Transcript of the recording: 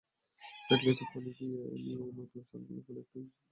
কেটলিতে পানি নিয়ে তাতে লেবুর ছালগুলো ফেলে একটু সেদ্ধ বসিয়ে দিন।